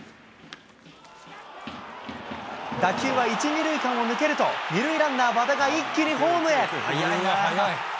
打球は１、２塁間を抜けると、２塁ランナー、和田が一気にホームへ。